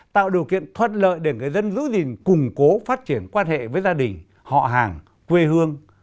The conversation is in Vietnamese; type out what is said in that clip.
tạo điều kiện thuận lợi để người dân giữ gìn củng cố phát triển quan hệ với gia đình họ hàng quê hương